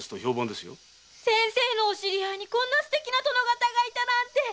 先生のお知り合いにこんなステキな殿方がいたなんて！